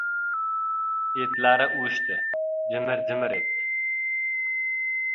Etlari uvishdi, jimir-jimir etdi.